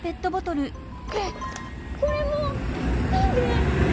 えっこれも！何で！？